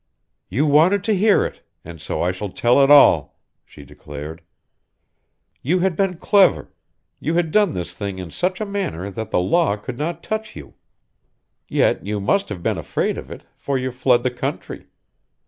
"You wanted to hear it, and so I shall tell it all!" she declared. "You had been clever; you had done this thing in such a manner than the law could not touch you. Yet you must have been afraid of it, for you fled the country.